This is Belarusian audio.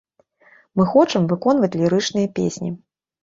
Мы хочам выконваць лірычныя песні.